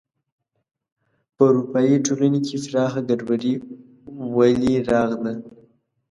په اروپايي ټولنې کې پراخه ګډوډي ولې راغله.